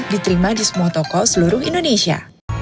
diterima di semua toko seluruh indonesia